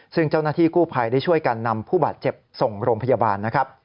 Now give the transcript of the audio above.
ซึ่งเจ้าหน้าที่กู้ภัยได้ช่วยกันนำผู้บาดเจ็บส่งโรงพยาบาลนะครับ